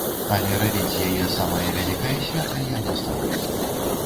Але рабіць з яе самае вялікае свята я не стаў бы.